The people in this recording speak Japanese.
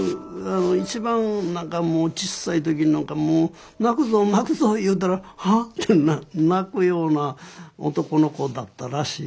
一番ちっさい時なんか泣くぞ泣くぞ言うたらハッて泣くような男の子だったらしい。